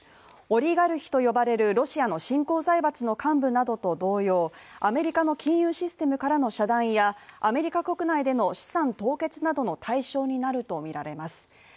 オリガルヒと呼ばれるロシアの新興財閥の幹部などと同様、アメリカの金融システムからの遮断やアメリカ国内での資産凍結などの対象になるとみられます。